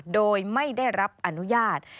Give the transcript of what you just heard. โดยไม่ได้รับอนุญาต